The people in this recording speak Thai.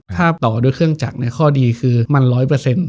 ถ้าต่อด้วยเครื่องจักรข้อดีคือมันร้อยเปอร์เซ็นต